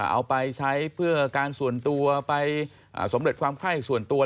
เอาไปใช้เพื่อการส่วนตัวไปสำเร็จความไข้ส่วนตัว